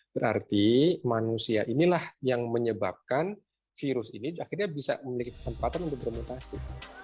berarti manusia inilah yang menyebabkan virus ini akhirnya bisa memiliki kesempatan untuk bermutasi